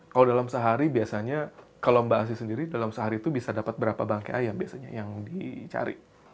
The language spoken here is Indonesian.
kalau dalam sehari biasanya kalau mbak asih sendiri dalam sehari itu bisa dapat berapa bangkai ayam biasanya yang dicari